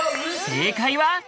正解は？